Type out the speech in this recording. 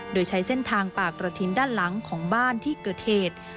โดยใช้เส้นทางปากกระทินด้านหลังของบ้านที่เกิดเหตุ